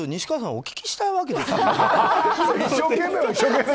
お聞きしたいわけですよ。